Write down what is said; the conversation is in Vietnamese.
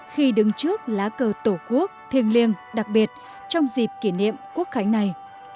khi đứng trước lá cờ tổ quốc thiêng liêng đặc biệt trong dịp kỷ niệm quốc khánh này